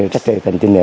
trách trị tình tình